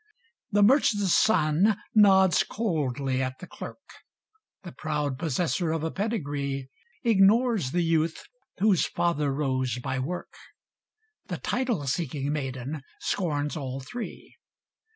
The merchant's son nods coldly at the clerk; The proud possessor of a pedigree Ignores the youth whose father rose by work; The title seeking maiden scorns all three.